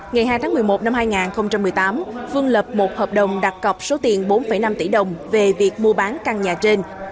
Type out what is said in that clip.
ngày hai tháng một mươi một năm hai nghìn một mươi tám phương lập một hợp đồng đặt cọc số tiền bốn năm tỷ đồng về việc mua bán căn nhà trên